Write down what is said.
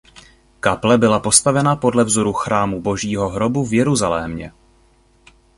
Kaple byla postavena podle vzoru Chrámu Božího hrobu v Jeruzalémě.